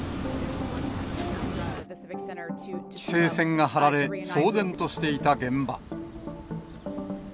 規制線が張られ、騒然としていた現場。